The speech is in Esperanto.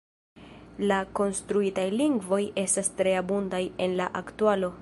La konstruitaj lingvoj estas tre abundaj en la aktualo.